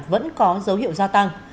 vẫn có dấu hiệu gia tăng